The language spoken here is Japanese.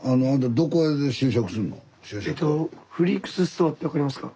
えとフリークスストアって分かりますか？